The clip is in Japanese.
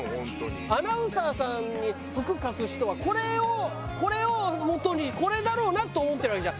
アナウンサーさんに服貸す人はこれをこれをもとにこれだろうなと思ってるわけじゃん。